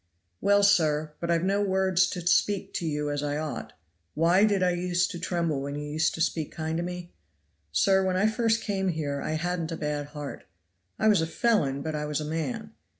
"Well, sir; but I've no words to speak to you as I ought. Why did I use to tremble when you used to speak kind to me? Sir, when I first came here I hadn't a bad heart. I was a felon, but I was a man.